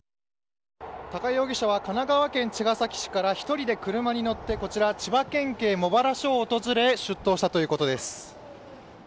高井容疑者は神奈川県茅ヶ崎市から１人で車に乗って千葉県警茂原署を訪れ出頭したということです。